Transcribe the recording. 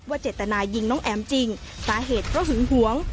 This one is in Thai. เจตนายิงน้องแอ๋มจริงสาเหตุเพราะหึงหวง